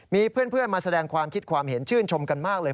มีเพื่อนมาแสดงความคิดความเห็นชื่นชมกันมากเลย